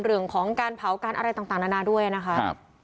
เรื่องของการเผาการอะไรต่างนานาด้วยนะคะ